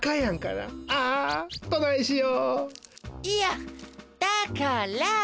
いやだから。